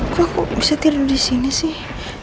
kok bisa tidur di sini sih